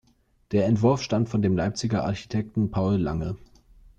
Der Entwurf stammt von dem Leipziger Architekten Paul Lange.